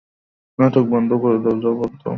নাটক বন্ধ করে, জবাব দাও।